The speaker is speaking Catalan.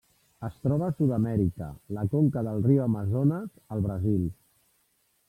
Es troba a Sud-amèrica: la conca del riu Amazones al Brasil.